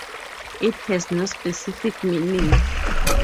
It has no specific meaning.